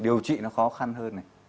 điều trị nó khó khăn hơn này